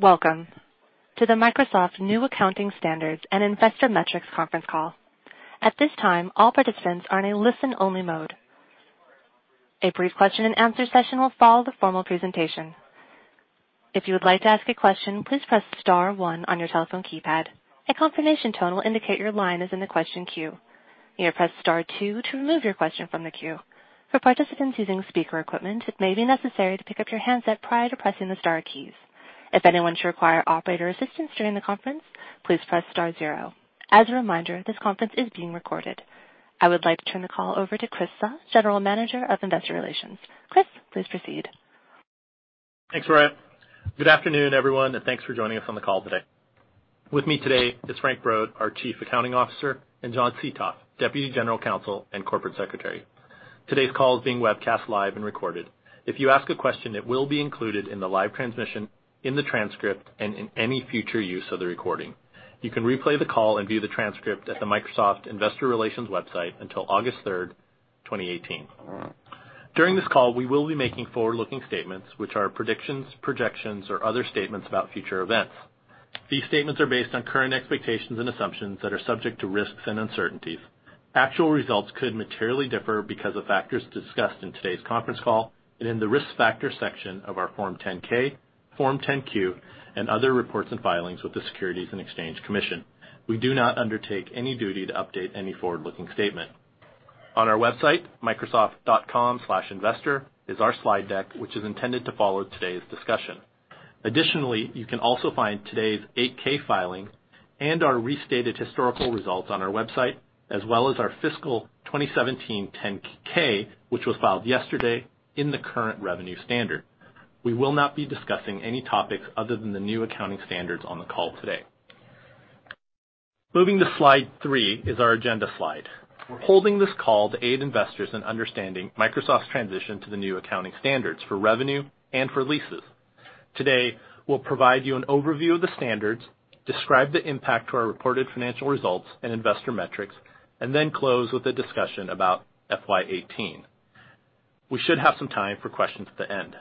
Welcome to the Microsoft new accounting standards and investor metrics conference call. At this time, all participants are in a listen-only mode. A brief question and answer session will follow the formal presentation. If you would like to ask a question, please press star one on your telephone keypad. A confirmation tone will indicate your line is in the question queue. You may press star two to remove your question from the queue. For participants using speaker equipment, it may be necessary to pick up your handset prior to pressing the star keys. If anyone should require operator assistance during the conference, please press star zero. As a reminder, this conference is being recorded. I would like to turn the call over to Chris Suh, General Manager of Investor Relations. Chris, please proceed. Thanks, Mariah. Good afternoon, everyone, and thanks for joining us on the call today. With me today is Frank Brod, our Chief Accounting Officer, and John Seto, Deputy General Counsel and Corporate Secretary. Today's call is being webcast live and recorded. If you ask a question, it will be included in the live transmission, in the transcript, and in any future use of the recording. You can replay the call and view the transcript at the Microsoft Investor Relations website until August 3rd, 2018. During this call, we will be making forward-looking statements, which are predictions, projections, or other statements about future events. These statements are based on current expectations and assumptions that are subject to risks and uncertainties. Actual results could materially differ because of factors discussed in today's conference call and in the risk factor section of our Form 10-K, Form 10-Q, and other reports and filings with the Securities and Exchange Commission. We do not undertake any duty to update any forward-looking statement. On our website, microsoft.com/investor, is our slide deck, which is intended to follow today's discussion. Additionally, you can also find today's 8-K filing and our restated historical results on our website, as well as our fiscal 2017 10-K, which was filed yesterday in the current revenue standard. We will not be discussing any topics other than the new accounting standards on the call today. Moving to slide three is our agenda slide. We're holding this call to aid investors in understanding Microsoft's transition to the new accounting standards for revenue and for leases. Today, we'll provide you an overview of the standards, describe the impact to our reported financial results and investor metrics, and then close with a discussion about FY 2018. We should have some time for questions at the end.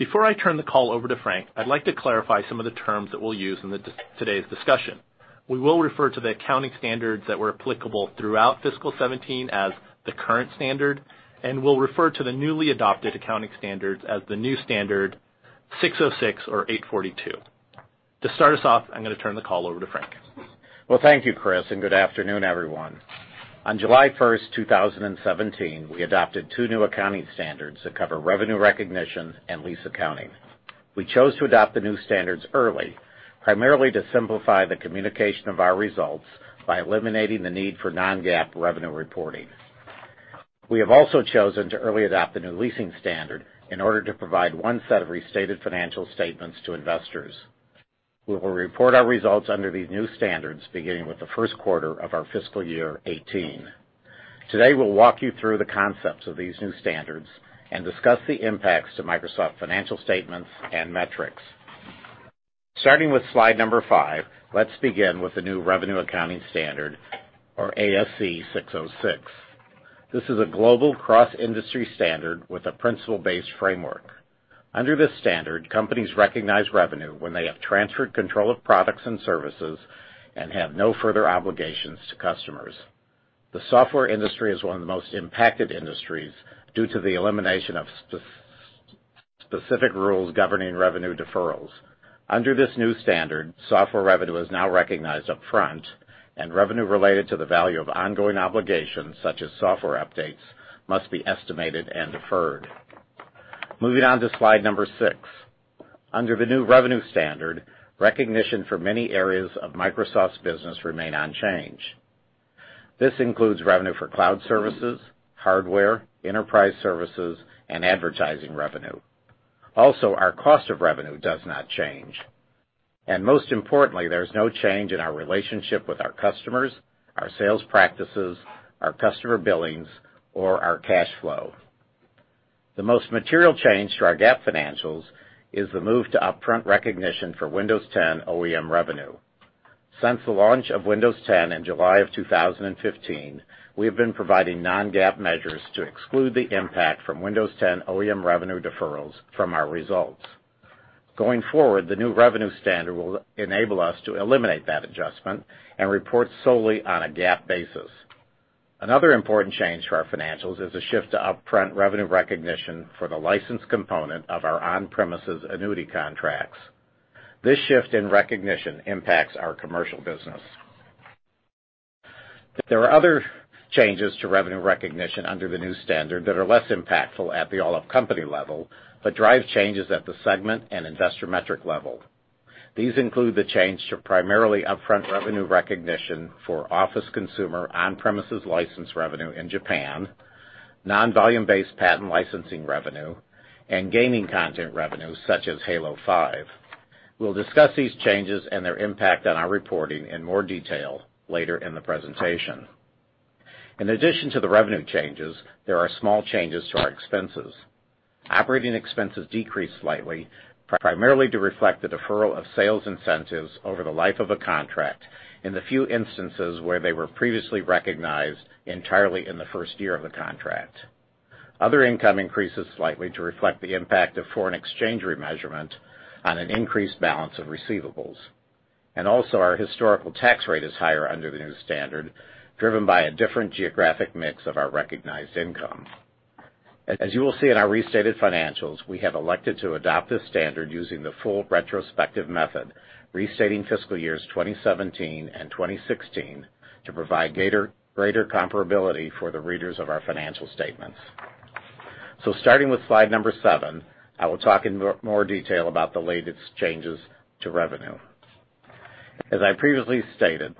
Before I turn the call over to Frank, I'd like to clarify some of the terms that we'll use in today's discussion. We will refer to the accounting standards that were applicable throughout fiscal 2017 as the current standard, and we'll refer to the newly adopted accounting standards as the new standard 606 or 842. To start us off, I'm going to turn the call over to Frank. Well, thank you, Chris, and good afternoon, everyone. On July 1st, 2017, we adopted two new accounting standards that cover revenue recognition and lease accounting. We chose to adopt the new standards early, primarily to simplify the communication of our results by eliminating the need for non-GAAP revenue reporting. We have also chosen to early adopt the new leasing standard in order to provide one set of restated financial statements to investors. We will report our results under these new standards beginning with the first quarter of our fiscal year 2018. Today, we'll walk you through the concepts of these new standards and discuss the impacts to Microsoft financial statements and metrics. Starting with slide number five, let's begin with the new revenue accounting standard or ASC 606. This is a global cross-industry standard with a principle-based framework. Under this standard, companies recognize revenue when they have transferred control of products and services and have no further obligations to customers. The software industry is one of the most impacted industries due to the elimination of specific rules governing revenue deferrals. Under this new standard, software revenue is now recognized upfront, and revenue related to the value of ongoing obligations, such as software updates, must be estimated and deferred. Moving on to slide number six. Under the new revenue standard, recognition for many areas of Microsoft's business remain unchanged. This includes revenue for cloud services, hardware, enterprise services, and advertising revenue. Our cost of revenue does not change. Most importantly, there's no change in our relationship with our customers, our sales practices, our customer billings, or our cash flow. The most material change to our GAAP financials is the move to upfront recognition for Windows 10 OEM revenue. Since the launch of Windows 10 in July of 2015, we have been providing non-GAAP measures to exclude the impact from Windows 10 OEM revenue deferrals from our results. Going forward, the new revenue standard will enable us to eliminate that adjustment and report solely on a GAAP basis. Another important change to our financials is the shift to upfront revenue recognition for the license component of our on-premises annuity contracts. This shift in recognition impacts our commercial business. There are other changes to revenue recognition under the new standard that are less impactful at the all-of-company level, but drive changes at the segment and investor metric level. These include the change to primarily upfront revenue recognition for Office Consumer on-premises license revenue in Japan, non-volume-based patent licensing revenue, and gaming content revenue, such as Halo 5. We'll discuss these changes and their impact on our reporting in more detail later in the presentation. In addition to the revenue changes, there are small changes to our expenses. Operating expenses decreased slightly, primarily to reflect the deferral of sales incentives over the life of a contract in the few instances where they were previously recognized entirely in the first year of a contract. Other income increases slightly to reflect the impact of foreign exchange remeasurement on an increased balance of receivables. Also our historical tax rate is higher under the new standard, driven by a different geographic mix of our recognized income. As you will see in our restated financials, we have elected to adopt this standard using the full retrospective method, restating fiscal years 2017 and 2016 to provide greater comparability for the readers of our financial statements. Starting with slide seven, I will talk in more detail about the latest changes to revenue. As I previously stated,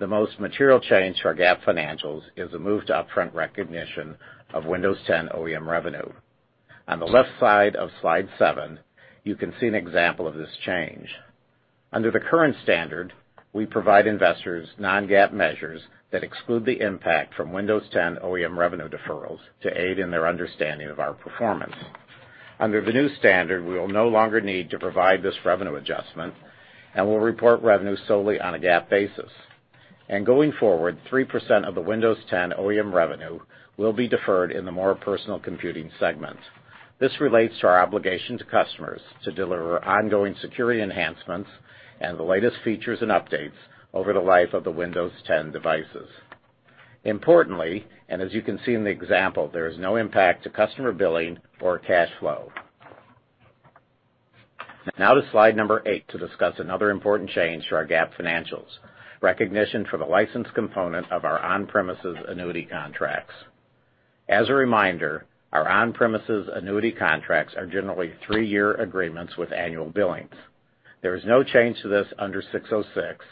the most material change to our GAAP financials is a move to upfront recognition of Windows 10 OEM revenue. On the left side of slide seven, you can see an example of this change. Under the current standard, we provide investors non-GAAP measures that exclude the impact from Windows 10 OEM revenue deferrals to aid in their understanding of our performance. Under the new standard, we will no longer need to provide this revenue adjustment and will report revenue solely on a GAAP basis. Going forward, 3% of the Windows 10 OEM revenue will be deferred in the More Personal Computing segment. This relates to our obligation to customers to deliver ongoing security enhancements and the latest features and updates over the life of the Windows 10 devices. Importantly, and as you can see in the example, there is no impact to customer billing or cash flow. To slide eight to discuss another important change to our GAAP financials, recognition for the license component of our on-premises annuity contracts. As a reminder, our on-premises annuity contracts are generally three-year agreements with annual billings. There is no change to this under 606,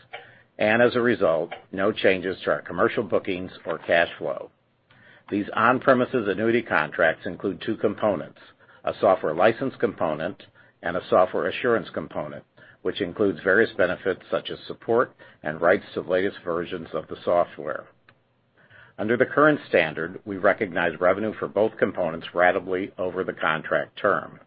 and as a result, no changes to our commercial bookings or cash flow. These on-premises annuity contracts include two components, a software license component and a software assurance component, which includes various benefits such as support and rights to the latest versions of the software. Under the current standard, we recognize revenue for both components ratably over the contract term.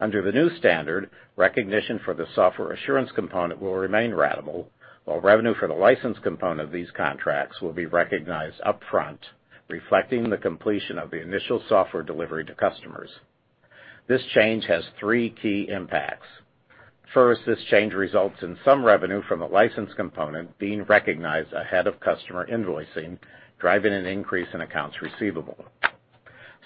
Under the new standard, recognition for the software assurance component will remain ratable, while revenue for the license component of these contracts will be recognized upfront, reflecting the completion of the initial software delivery to customers. This change has three key impacts. First, this change results in some revenue from the license component being recognized ahead of customer invoicing, driving an increase in accounts receivable.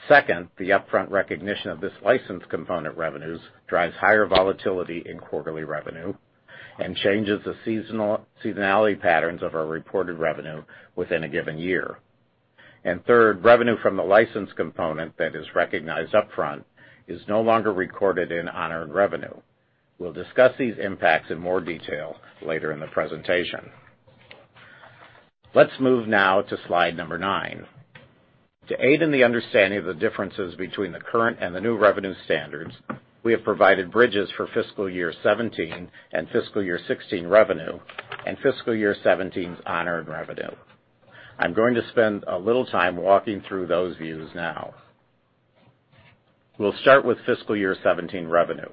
Second, the upfront recognition of this license component revenues drives higher volatility in quarterly revenue and changes the seasonality patterns of our reported revenue within a given year. Third, revenue from the license component that is recognized upfront is no longer recorded in unearned revenue. We will discuss these impacts in more detail later in the presentation. Let's move to slide nine. To aid in the understanding of the differences between the current and the new revenue standards, we have provided bridges for fiscal year 2017 and fiscal year 2016 revenue and fiscal year 2017's unearned revenue. I am going to spend a little time walking through those views now. We will start with fiscal year 2017 revenue.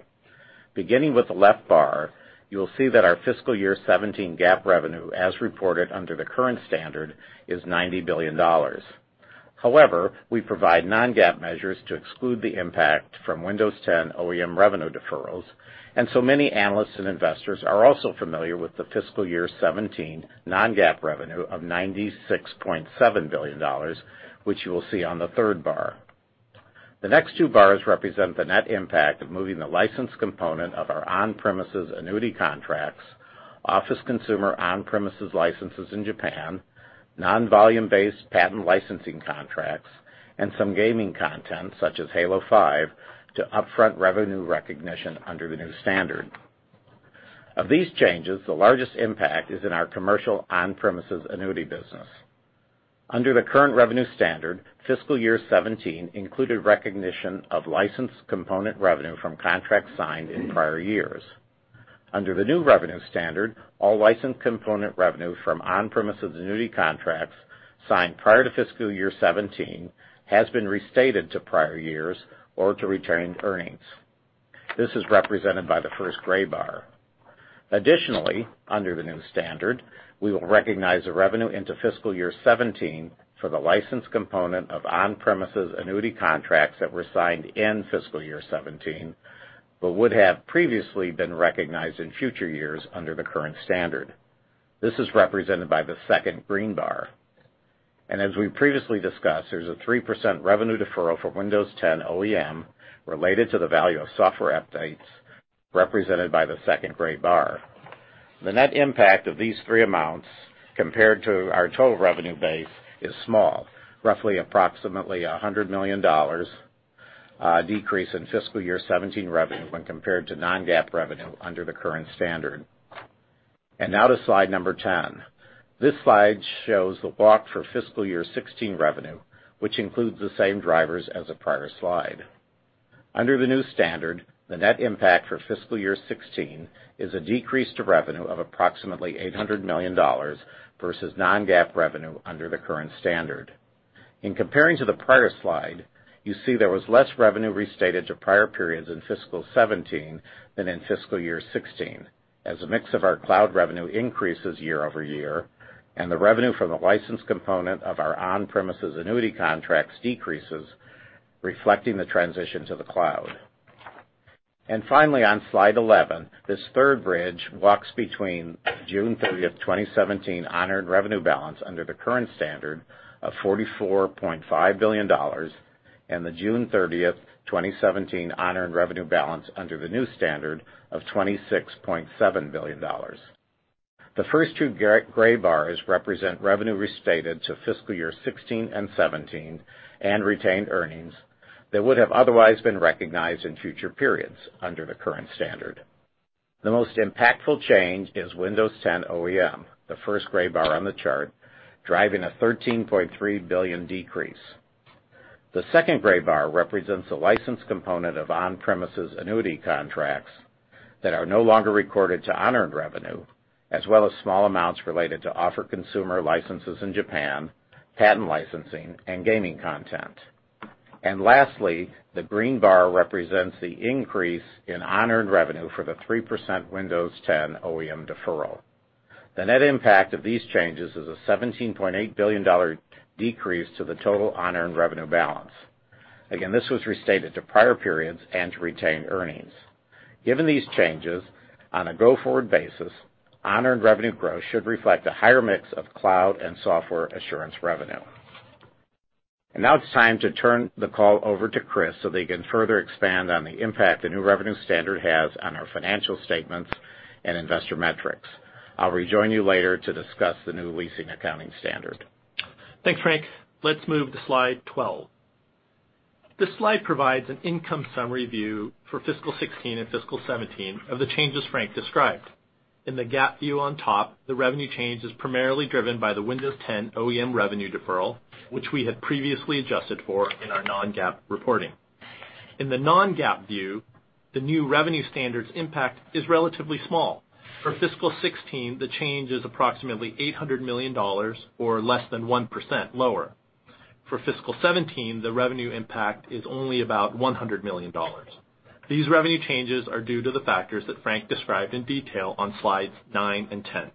Beginning with the left bar, you will see that our fiscal year 2017 GAAP revenue, as reported under the current standard, is $90 billion. However, we provide non-GAAP measures to exclude the impact from Windows 10 OEM revenue deferrals. Many analysts and investors are also familiar with the fiscal year 2017 non-GAAP revenue of $96.7 billion, which you will see on the third bar. The next two bars represent the net impact of moving the license component of our on-premises annuity contracts, Office Consumer on-premises licenses in Japan, non-volume-based patent licensing contracts, and some gaming content, such as Halo 5, to upfront revenue recognition under the new standard. Of these changes, the largest impact is in our commercial on-premises annuity business. Under the current revenue standard, fiscal year 2017 included recognition of license component revenue from contracts signed in prior years. Under the new revenue standard, all license component revenue from on-premises annuity contracts signed prior to fiscal year 2017 has been restated to prior years or to retained earnings. This is represented by the first gray bar. Additionally, under the new standard, we will recognize the revenue into fiscal year 2017 for the license component of on-premises annuity contracts that were signed in fiscal year 2017, but would have previously been recognized in future years under the current standard. This is represented by the second green bar. As we previously discussed, there's a 3% revenue deferral for Windows 10 OEM related to the value of software updates, represented by the second gray bar. The net impact of these three amounts compared to our total revenue base is small, approximately $100 million decrease in fiscal year 2017 revenue when compared to non-GAAP revenue under the current standard. Now to slide number 10. This slide shows the walk for fiscal year 2016 revenue, which includes the same drivers as the prior slide. Under the new standard, the net impact for fiscal year 2016 is a decrease to revenue of approximately $800 million versus non-GAAP revenue under the current standard. In comparing to the prior slide, you see there was less revenue restated to prior periods in fiscal year 2017 than in fiscal year 2016, as a mix of our cloud revenue increases year-over-year and the revenue from the license component of our on-premises annuity contracts decreases, reflecting the transition to the cloud. Finally, on slide 11, this third bridge walks between June 30th, 2017, unearned revenue balance under the current standard of $44.5 billion and the June 30th, 2017, unearned revenue balance under the new standard of $26.7 billion. The first two gray bars represent revenue restated to fiscal year 2016 and 2017 and retained earnings that would have otherwise been recognized in future periods under the current standard. The most impactful change is Windows 10 OEM, the first gray bar on the chart, driving a $13.3 billion decrease. The second gray bar represents a license component of on-premises annuity contracts that are no longer recorded to unearned revenue, as well as small amounts related to Office consumer licenses in Japan, patent licensing, and gaming content. Lastly, the green bar represents the increase in unearned revenue for the 3% Windows 10 OEM deferral. The net impact of these changes is a $17.8 billion decrease to the total unearned revenue balance. Again, this was restated to prior periods and to retained earnings. Given these changes, on a go-forward basis, unearned revenue growth should reflect a higher mix of cloud and software assurance revenue. It's time to turn the call over to Chris so that he can further expand on the impact the new revenue standard has on our financial statements and investor metrics. I will rejoin you later to discuss the new leasing accounting standard. Thanks, Frank. Let's move to slide 12. This slide provides an income summary view for fiscal 2016 and fiscal 2017 of the changes Frank described. In the GAAP view on top, the revenue change is primarily driven by the Windows 10 OEM revenue deferral, which we had previously adjusted for in our non-GAAP reporting. In the non-GAAP view, the new revenue standard's impact is relatively small. For fiscal 2016, the change is approximately $800 million, or less than 1% lower. For fiscal 2017, the revenue impact is only about $100 million. These revenue changes are due to the factors that Frank described in detail on slides nine and ten.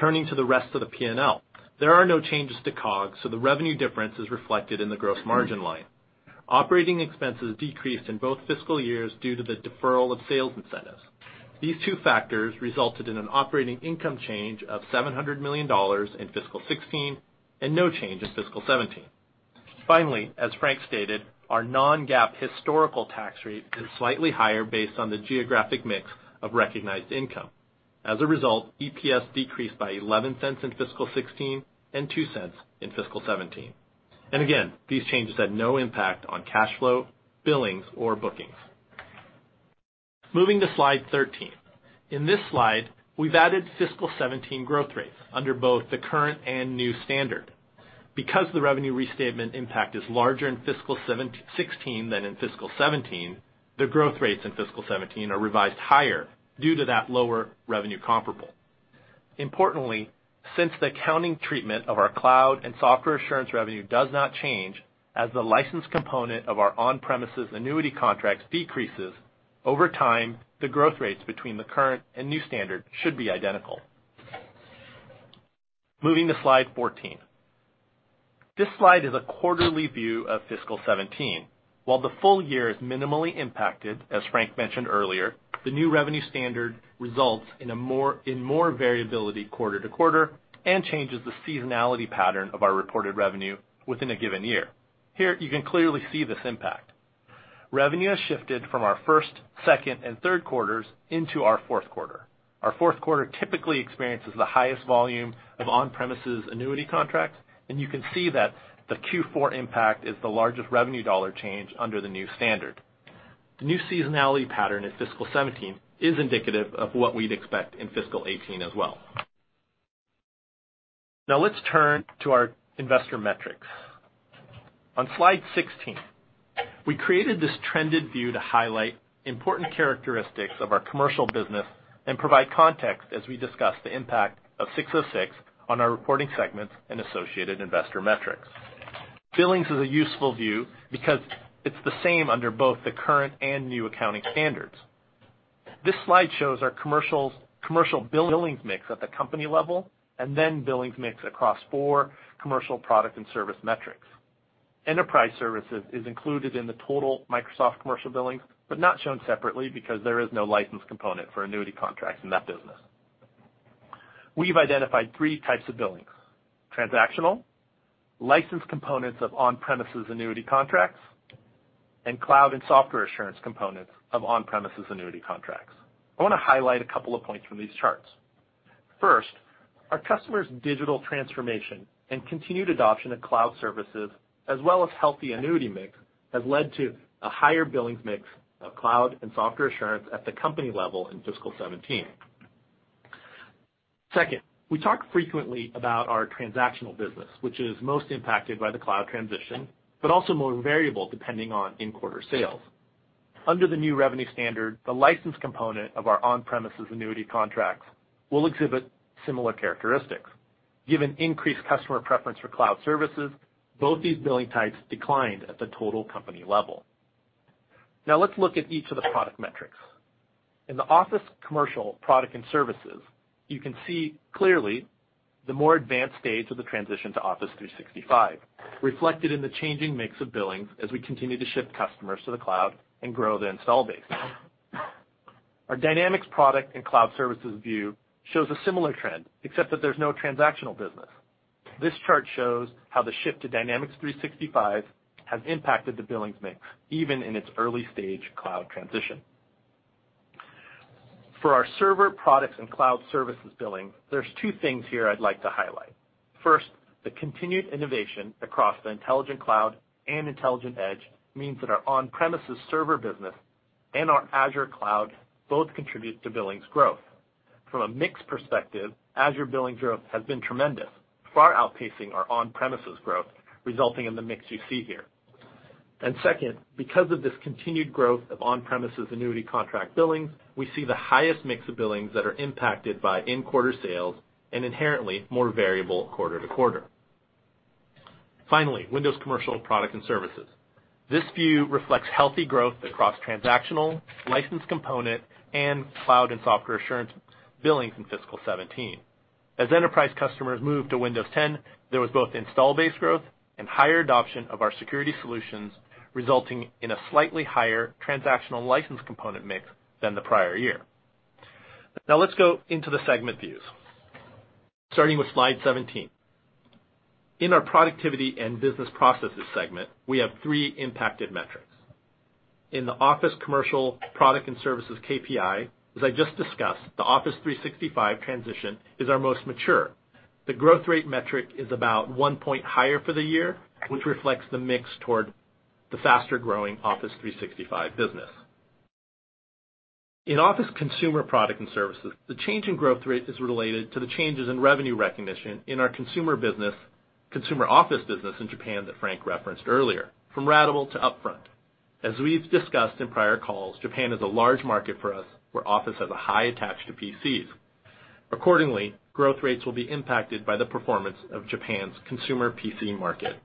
Turning to the rest of the P&L, there are no changes to COG, so the revenue difference is reflected in the gross margin line. Operating expenses decreased in both fiscal years due to the deferral of sales incentives. These two factors resulted in an operating income change of $700 million in fiscal 2016 and no change in fiscal 2017. Finally, as Frank stated, our non-GAAP historical tax rate is slightly higher based on the geographic mix of recognized income. As a result, EPS decreased by $0.11 in fiscal 2016 and $0.02 in fiscal 2017. Again, these changes had no impact on cash flow, billings, or bookings. Moving to slide 13. In this slide, we have added fiscal 2017 growth rates under both the current and new standard. Because the revenue restatement impact is larger in fiscal 2016 than in fiscal 2017, the growth rates in fiscal 2017 are revised higher due to that lower revenue comparable. Importantly, since the accounting treatment of our cloud and software assurance revenue does not change as the license component of our on-premises annuity contracts decreases, over time, the growth rates between the current and new standard should be identical. Moving to slide 14. This slide is a quarterly view of fiscal 2017. While the full year is minimally impacted, as Frank mentioned earlier, the new revenue standard results in more variability quarter to quarter and changes the seasonality pattern of our reported revenue within a given year. Here, you can clearly see this impact. Revenue has shifted from our first, second, and third quarters into our fourth quarter. Our fourth quarter typically experiences the highest volume of on-premises annuity contracts, and you can see that the Q4 impact is the largest revenue dollar change under the new standard. The new seasonality pattern in fiscal 2017 is indicative of what we'd expect in fiscal 2018 as well. Let's turn to our investor metrics. On slide 16, we created this trended view to highlight important characteristics of our commercial business and provide context as we discuss the impact of ASC 606 on our reporting segments and associated investor metrics. Billings is a useful view because it's the same under both the current and new accounting standards. This slide shows our commercial billings mix at the company level and then billings mix across four commercial product and service metrics. Enterprise services is included in the total Microsoft commercial billings, but not shown separately because there is no license component for annuity contracts in that business. We've identified three types of billings. Transactional, license components of on-premises annuity contracts, and cloud and software assurance components of on-premises annuity contracts. I want to highlight a couple of points from these charts. First, our customers' digital transformation and continued adoption of cloud services, as well as healthy annuity mix, has led to a higher billings mix of cloud and software assurance at the company level in fiscal 2017. Second, we talk frequently about our transactional business, which is most impacted by the cloud transition, but also more variable depending on in-quarter sales. Under the new revenue standard, the license component of our on-premises annuity contracts will exhibit similar characteristics. Given increased customer preference for cloud services, both these billing types declined at the total company level. Let's look at each of the product metrics. In the Office Commercial product and services, you can see clearly the more advanced stage of the transition to Office 365 reflected in the changing mix of billings as we continue to ship customers to the cloud and grow the install base. Our Dynamics product and cloud services view shows a similar trend, except that there's no transactional business. This chart shows how the shift to Dynamics 365 has impacted the billings mix, even in its early-stage cloud transition. For our server products and cloud services billing, there's two things here I'd like to highlight. First, the continued innovation across the Intelligent Cloud and intelligent edge means that our on-premises server business and our Azure cloud both contribute to billings growth. From a mix perspective, Azure billings growth has been tremendous, far outpacing our on-premises growth, resulting in the mix you see here. Second, because of this continued growth of on-premises annuity contract billings, we see the highest mix of billings that are impacted by in-quarter sales and inherently more variable quarter to quarter. Finally, Windows Commercial product and services. This view reflects healthy growth across transactional, license component, and cloud and software assurance billings in fiscal 2017. As enterprise customers moved to Windows 10, there was both install base growth and higher adoption of our security solutions, resulting in a slightly higher transactional license component mix than the prior year. Let's go into the segment views, starting with slide 17. In our Productivity and Business Processes segment, we have three impacted metrics. In the Office Commercial product and services KPI, as I just discussed, the Office 365 transition is our most mature. The growth rate metric is about one point higher for the year, which reflects the mix toward the faster-growing Office 365 business. In Office consumer product and services, the change in growth rate is related to the changes in revenue recognition in our consumer Office business in Japan that Frank referenced earlier, from ratable to upfront. As we've discussed in prior calls, Japan is a large market for us, where Office has a high attach to PCs. Accordingly, growth rates will be impacted by the performance of Japan's consumer PC market.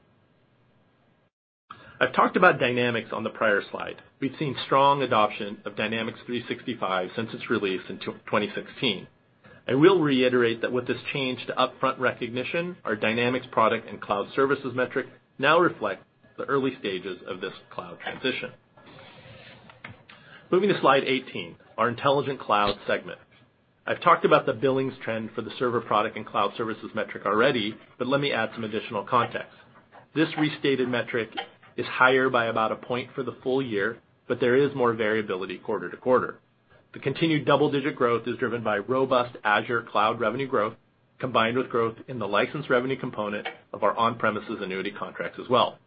I've talked about Dynamics on the prior slide. We've seen strong adoption of Dynamics 365 since its release in 2016. I will reiterate that with this change to upfront recognition, our Dynamics product and cloud services metric now reflects the early stages of this cloud transition. Moving to slide 18, our Intelligent Cloud segment. I've talked about the billings trend for the server product and cloud services metric already. Let me add some additional context. This restated metric is higher by about a point for the full year, but there is more variability quarter to quarter. The continued double-digit growth is driven by robust Azure cloud revenue growth, combined with growth in the license revenue component of our on-premises annuity contracts as well.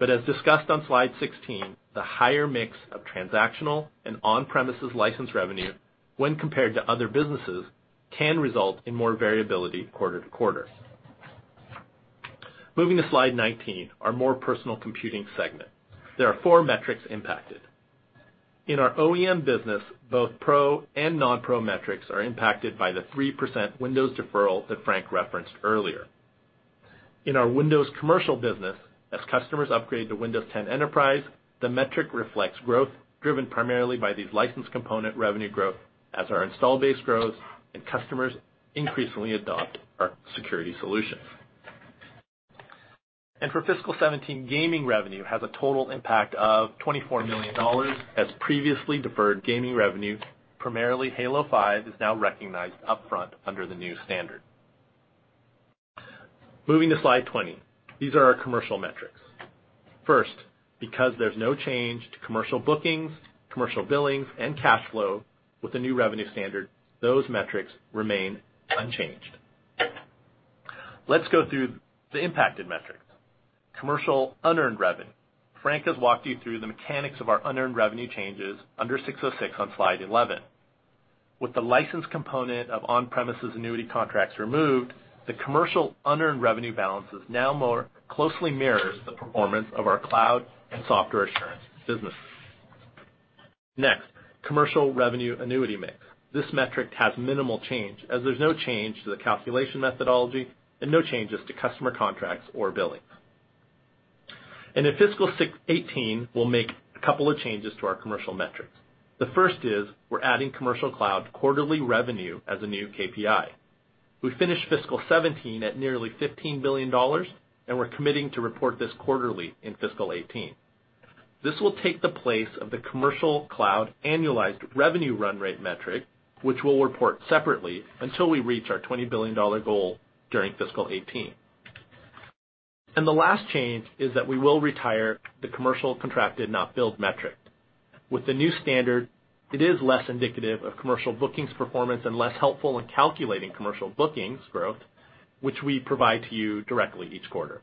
As discussed on slide 16, the higher mix of transactional and on-premises license revenue, when compared to other businesses, can result in more variability quarter to quarter. Moving to slide 19, our More Personal Computing segment. There are four metrics impacted. In our OEM business, both pro and non-pro metrics are impacted by the 3% Windows deferral that Frank referenced earlier. In our Windows commercial business, as customers upgrade to Windows 10 Enterprise, the metric reflects growth driven primarily by the license component revenue growth as our install base grows and customers increasingly adopt our security solutions. For fiscal 2017, gaming revenue has a total impact of $24 million, as previously deferred gaming revenue, primarily Halo 5, is now recognized upfront under the new standard. Moving to slide 20. These are our commercial metrics. First, because there's no change to commercial bookings, commercial billings, and cash flow with the new revenue standard, those metrics remain unchanged. Let's go through the impacted metrics. Commercial unearned revenue. Frank has walked you through the mechanics of our unearned revenue changes under ASC 606 on slide 11. With the license component of on-premises annuity contracts removed, the commercial unearned revenue balances now more closely mirrors the performance of our cloud and software assurance businesses. Next, commercial revenue annuity mix. This metric has minimal change as there's no change to the calculation methodology and no changes to customer contracts or billings. In fiscal 2018, we'll make a couple of changes to our commercial metrics. The first is we're adding commercial cloud quarterly revenue as a new KPI. We finished fiscal 2017 at nearly $15 billion, and we're committing to report this quarterly in fiscal 2018. This will take the place of the commercial cloud annualized revenue run rate metric, which we'll report separately until we reach our $20 billion goal during fiscal 2018. The last change is that we will retire the commercial contracted not billed metric. With the new standard, it is less indicative of commercial bookings performance and less helpful in calculating commercial bookings growth, which we provide to you directly each quarter.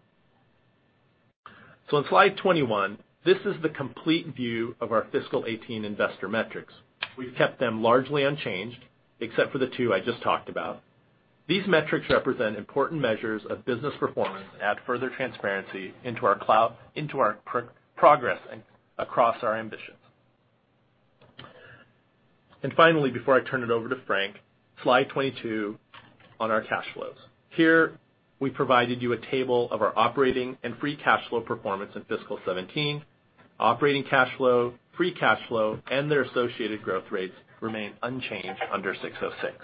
On slide 21, this is the complete view of our fiscal 2018 investor metrics. We've kept them largely unchanged, except for the two I just talked about. These metrics represent important measures of business performance and add further transparency into our progress across our ambitions. Finally, before I turn it over to Frank, slide 22 on our cash flows. Here, we provided you a table of our operating and free cash flow performance in fiscal 2017. Operating cash flow, free cash flow, and their associated growth rates remain unchanged under ASC 606.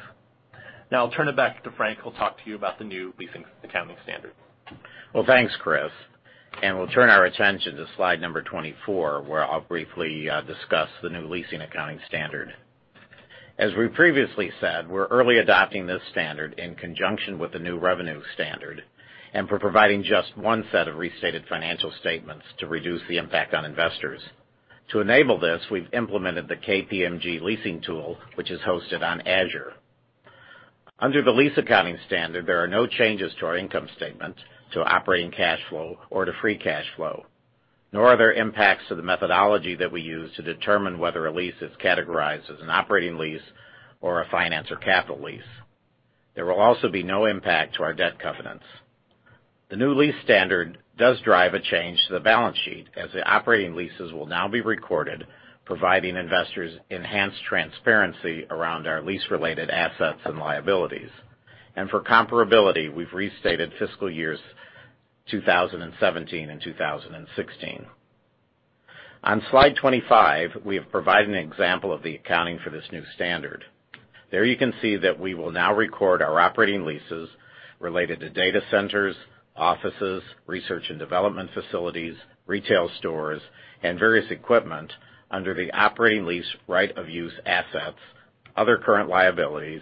I'll turn it back to Frank, who'll talk to you about the new leasing accounting standard. Well, thanks, Chris. We'll turn our attention to slide number 24, where I'll briefly discuss the new leasing accounting standard. As we previously said, we're early adopting this standard in conjunction with the new revenue standard and for providing just one set of restated financial statements to reduce the impact on investors. To enable this, we've implemented the KPMG leasing tool, which is hosted on Azure. Under the lease accounting standard, there are no changes to our income statement to operating cash flow or to free cash flow, nor are there impacts to the methodology that we use to determine whether a lease is categorized as an operating lease or a finance or capital lease. There will also be no impact to our debt covenants. The new lease standard does drive a change to the balance sheet, as the operating leases will now be recorded, providing investors enhanced transparency around our lease-related assets and liabilities. For comparability, we've restated fiscal years 2017 and 2016. On slide 25, we have provided an example of the accounting for this new standard. There you can see that we will now record our operating leases related to data centers, offices, research and development facilities, retail stores, and various equipment under the operating lease right of use assets, other current liabilities,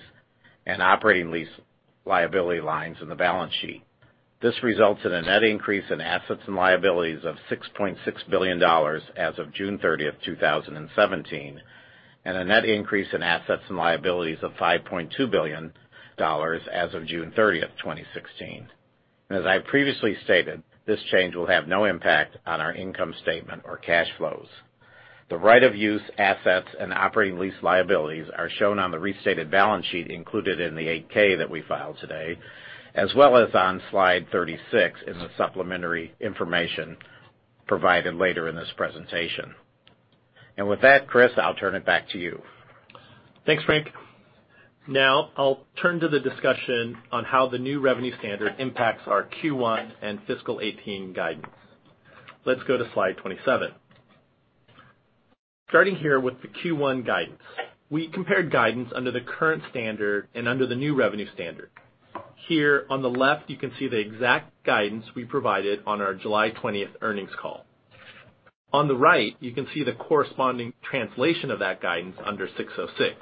and operating lease liability lines in the balance sheet. This results in a net increase in assets and liabilities of $6.6 billion as of June 30th, 2017, and a net increase in assets and liabilities of $5.2 billion as of June 30th, 2016. As I previously stated, this change will have no impact on our income statement or cash flows. The right of use assets and operating lease liabilities are shown on the restated balance sheet included in the 8-K that we filed today, as well as on slide 36 in the supplementary information provided later in this presentation. With that, Chris, I'll turn it back to you. Thanks, Frank. I'll turn to the discussion on how the new revenue standard impacts our Q1 and fiscal 2018 guidance. Let's go to slide 27. Starting here with the Q1 guidance. We compared guidance under the current standard and under the new revenue standard. Here, on the left, you can see the exact guidance we provided on our July 20th earnings call. On the right, you can see the corresponding translation of that guidance under ASC 606.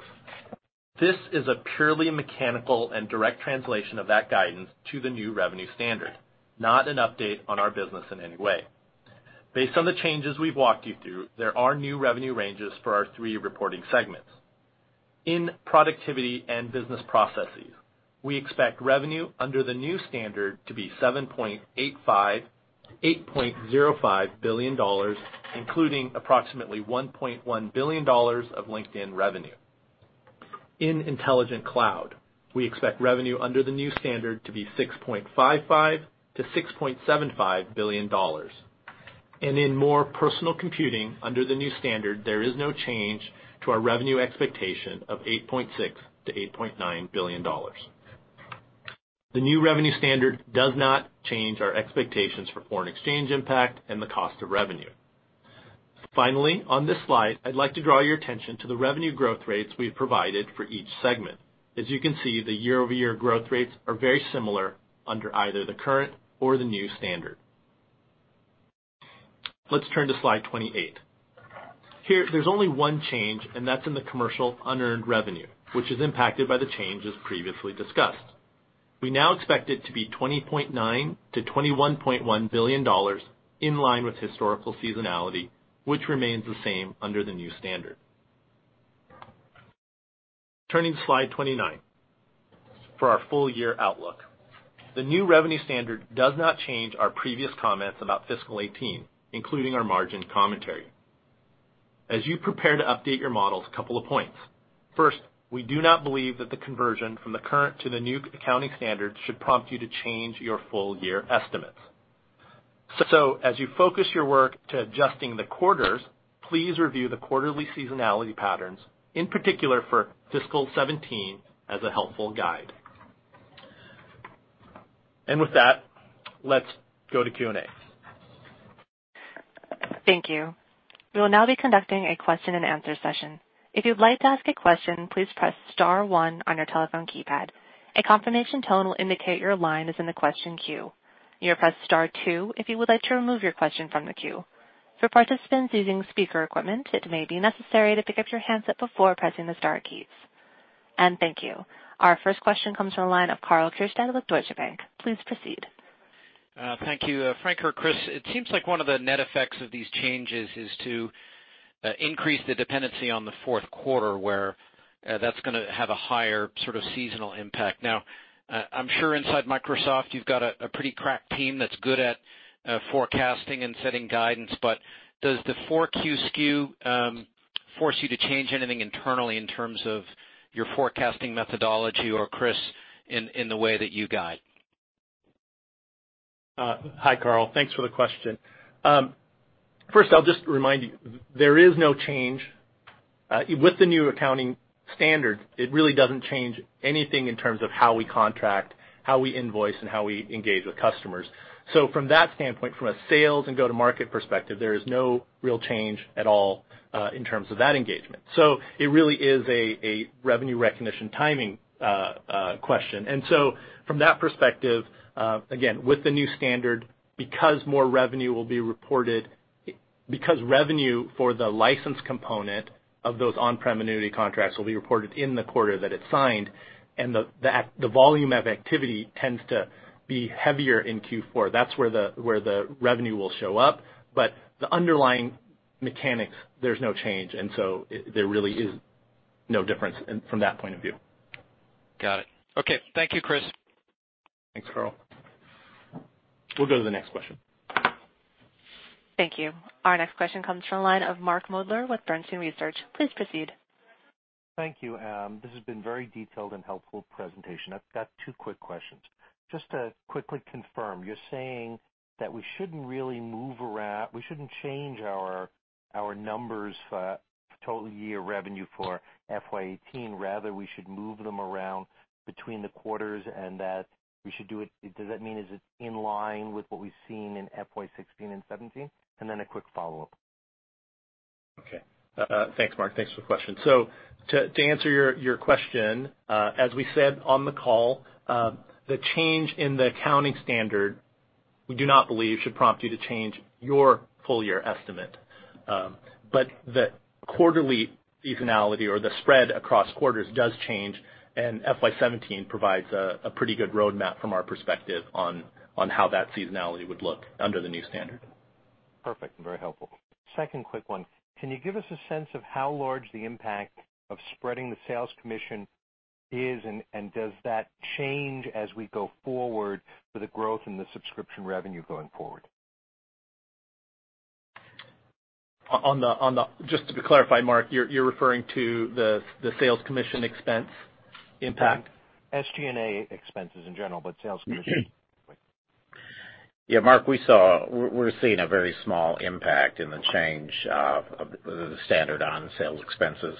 This is a purely mechanical and direct translation of that guidance to the new revenue standard, not an update on our business in any way. Based on the changes we've walked you through, there are new revenue ranges for our three reporting segments. In Productivity and Business Processes, we expect revenue under the new standard to be $7.85 billion to $8.05 billion, including approximately $1.1 billion of LinkedIn revenue. In Intelligent Cloud, we expect revenue under the new standard to be $6.55 billion to $6.75 billion. In More Personal Computing, under the new standard, there is no change to our revenue expectation of $8.6 billion to $8.9 billion. The new revenue standard does not change our expectations for foreign exchange impact and the cost of revenue. Finally, on this slide, I'd like to draw your attention to the revenue growth rates we've provided for each segment. As you can see, the year-over-year growth rates are very similar under either the current or the new standard. Let's turn to slide 28. Here, there's only one change, and that's in the commercial unearned revenue, which is impacted by the change as previously discussed. We now expect it to be $20.9 billion to $21.1 billion in line with historical seasonality, which remains the same under the new standard. Turning to slide 29 for our full-year outlook. The new revenue standard does not change our previous comments about fiscal 2018, including our margin commentary. As you prepare to update your models, a couple of points. First, we do not believe that the conversion from the current to the new accounting standard should prompt you to change your full-year estimates. As you focus your work to adjusting the quarters, please review the quarterly seasonality patterns, in particular for fiscal 2017, as a helpful guide. With that, let's go to Q&A. Thank you. We will now be conducting a question and answer session. If you'd like to ask a question, please press *1 on your telephone keypad. A confirmation tone will indicate your line is in the question queue. You may press *2 if you would like to remove your question from the queue. For participants using speaker equipment, it may be necessary to pick up your handset before pressing the star keys. Thank you. Our first question comes from the line of Karl Keirstead with Deutsche Bank. Please proceed. Thank you. Frank or Chris, it seems like one of the net effects of these changes is to increase the dependency on the fourth quarter, where that's going to have a higher sort of seasonal impact. I'm sure inside Microsoft, you've got a pretty crack team that's good at forecasting and setting guidance, does the 4Q skew force you to change anything internally in terms of your forecasting methodology or Chris, in the way that you guide? Hi, Karl. Thanks for the question. I'll just remind you, there is no change. With the new accounting standard, it really doesn't change anything in terms of how we contract, how we invoice, and how we engage with customers. From that standpoint, from a sales and go-to-market perspective, there is no real change at all in terms of that engagement. It really is a revenue recognition timing question. From that perspective, again, with the new standard, because revenue for the license component of those on-prem annuity contracts will be reported in the quarter that it's signed, and the volume of activity tends to be heavier in Q4. That's where the revenue will show up. The underlying mechanics, there's no change. There really is no difference from that point of view. Got it. Okay. Thank you, Chris. Thanks, Karl. We'll go to the next question. Thank you. Our next question comes from the line of Mark Moerdler with Bernstein Research. Please proceed. Thank you. This has been very detailed and helpful presentation. I've got two quick questions. Just to quickly confirm, you're saying that we shouldn't change our numbers for total year revenue for FY 2018, rather, we should move them around between the quarters. Does that mean is it in line with what we've seen in FY 2016 and 2017? Then a quick follow-up. Okay. Thanks, Mark. Thanks for the question. To answer your question, as we said on the call, the change in the accounting standard, we do not believe should prompt you to change your full year estimate. The quarterly seasonality or the spread across quarters does change, and FY 2017 provides a pretty good roadmap from our perspective on how that seasonality would look under the new standard. Perfect. Very helpful. Second quick one. Can you give us a sense of how large the impact of spreading the sales commission is, and does that change as we go forward for the growth in the subscription revenue going forward? Just to clarify, Mark, you're referring to the sales commission expense impact? SG&A expenses in general, sales commission. Yeah, Mark, we're seeing a very small impact in the change of the standard on sales expenses.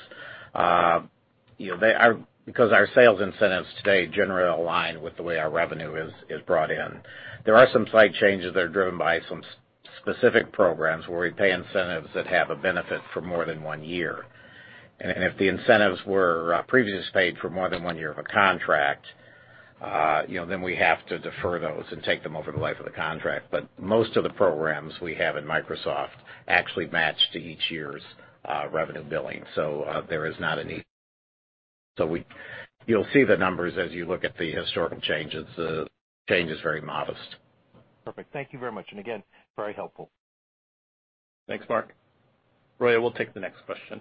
Our sales incentives today generally align with the way our revenue is brought in. There are some slight changes that are driven by some specific programs where we pay incentives that have a benefit for more than one year. If the incentives were previously paid for more than one year of a contract, then we have to defer those and take them over the life of the contract. Most of the programs we have at Microsoft actually match to each year's revenue billing. You'll see the numbers as you look at the historical changes. The change is very modest. Perfect. Thank you very much. Again, very helpful. Thanks, Mark. Roya, we'll take the next question.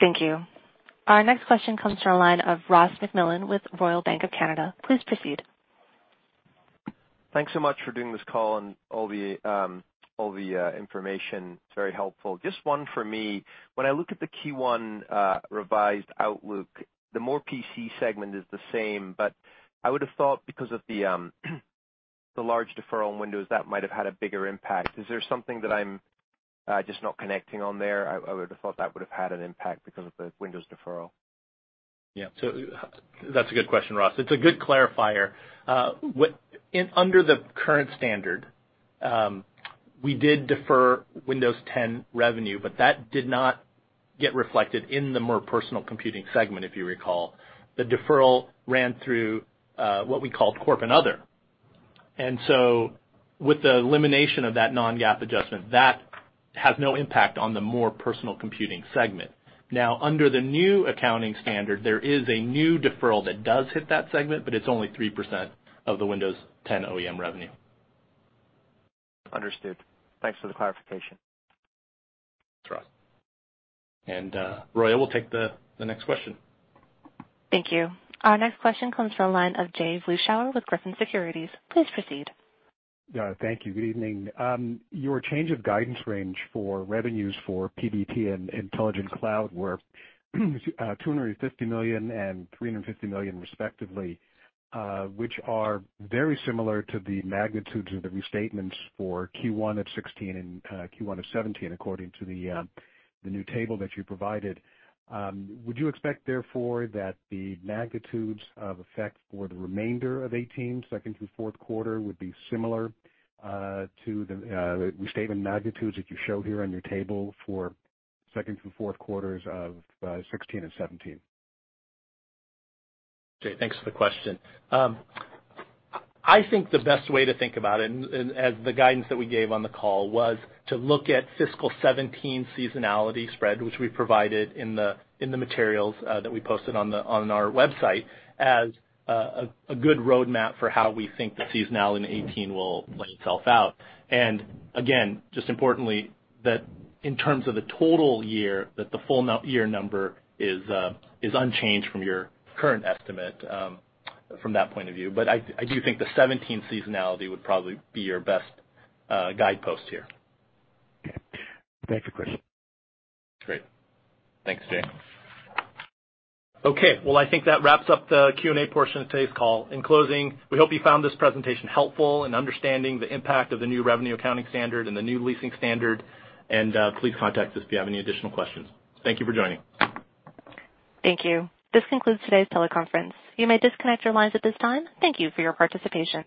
Thank you. Our next question comes from the line of Ross MacMillan with Royal Bank of Canada. Please proceed. Thanks so much for doing this call and all the information. It's very helpful. Just one for me. When I look at the Q1 revised outlook, the More Personal Computing segment is the same, but I would have thought because of the large deferral in Windows, that might have had a bigger impact. Is there something that I'm just not connecting on there? I would have thought that would have had an impact because of the Windows deferral. Yeah. That's a good question, Ross. It's a good clarifier. Under the current standard, we did defer Windows 10 revenue, but that did not get reflected in the More Personal Computing segment, if you recall. The deferral ran through what we called corp and other. With the elimination of that non-GAAP adjustment, that has no impact on the More Personal Computing segment. Now, under the new accounting standard, there is a new deferral that does hit that segment, but it's only 3% of the Windows 10 OEM revenue. Understood. Thanks for the clarification. Thanks, Ross. Roya, we'll take the next question. Thank you. Our next question comes from the line of Jay Vleeschhouwer with Griffin Securities. Please proceed. Thank you. Good evening. Your change of guidance range for revenues for PBT and Intelligent Cloud were $250 million and $350 million respectively, which are very similar to the magnitudes of the restatements for Q1 of 2016 and Q1 of 2017, according to the new table that you provided. Would you expect therefore that the magnitudes of effect for the remainder of 2018, second through fourth quarter, would be similar to the restatement magnitudes that you show here on your table for second through fourth quarters of 2016 and 2017? Jay, thanks for the question. I think the best way to think about it, as the guidance that we gave on the call, was to look at fiscal 2017 seasonality spread, which we provided in the materials that we posted on our website, as a good roadmap for how we think the seasonality in 2018 will play itself out. Again, just importantly, that in terms of the total year, that the full year number is unchanged from your current estimate from that point of view. I do think the 2017 seasonality would probably be your best guidepost here. Okay. Thanks, Chris. Great. Thanks, Jay. Okay, well, I think that wraps up the Q&A portion of today's call. In closing, we hope you found this presentation helpful in understanding the impact of the new revenue accounting standard and the new leasing standard. Please contact us if you have any additional questions. Thank you for joining. Thank you. This concludes today's teleconference. You may disconnect your lines at this time. Thank you for your participation.